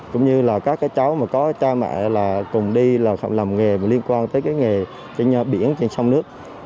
cũng như các cháu có cha mẹ cùng đi làm nghề liên quan tới nghề biển trên sông nước